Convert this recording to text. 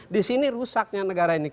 di sini rusaknya negara ini